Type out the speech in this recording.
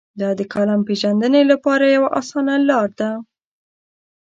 دا د کالم پېژندنې لپاره یوه اسانه لار ده.